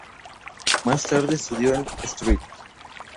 Más tarde estudió en St.